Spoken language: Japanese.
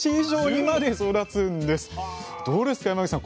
どうですか山口さん！